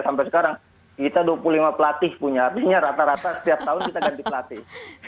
sampai sekarang kita dua puluh lima pelatih punya artinya rata rata setiap tahun kita ganti pelatih